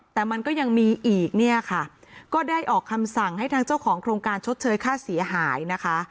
แต่มันก็ยังมีอีกเนี่ยค่ะก็ได้ออกคำสั่งให้ทางเจ้าของโครงการชดเชยค่าเสียหายนะคะ